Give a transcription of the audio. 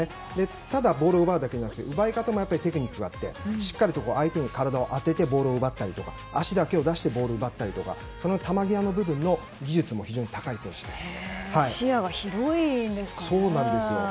ただ、ボールを奪うだけじゃなくて奪い方にもテクニックがあってしっかりと相手に体を当ててボールを奪ったり足だけを出してボールを奪ったりとか球際の部分の技術も視野が広いんですかね。